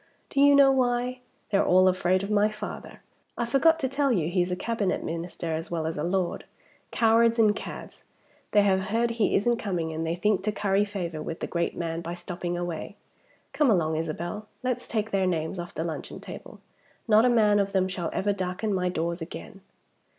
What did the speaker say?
Do you know why? They're all afraid of my father I forgot to tell you he's a Cabinet Minister as well as a Lord. Cowards and cads. They have heard he isn't coming and they think to curry favor with the great man by stopping away. Come along, Isabel! Let's take their names off the luncheon table. Not a man of them shall ever darken my doors again!"